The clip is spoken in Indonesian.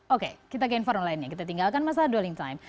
oke kita ke informasi lainnya kita tinggalkan masalah dwelling time